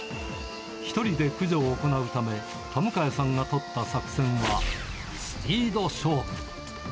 １人で駆除を行うため、田迎さんがとった作戦は、スピード勝負。